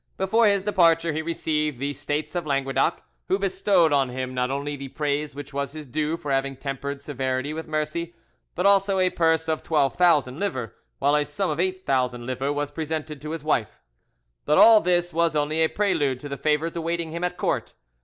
Before his departure he received the States of Languedoc, who bestowed on him not only the praise which was his due for having tempered severity with mercy, but also a purse of 12,000 livres, while a sum of 8000 livres was presented to his wife. But all this was only a prelude to the favours awaiting him at court.